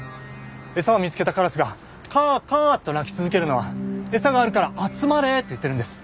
餌を見つけたカラスが「カアカア」と鳴き続けるのは「餌があるから集まれ」と言っているんです。